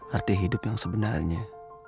arti hidup yang sebenarnya